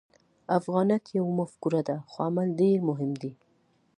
افغانیت یوه مفکوره ده، خو عمل ډېر مهم دی.